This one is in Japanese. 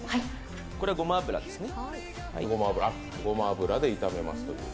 これ、ごま油ですね。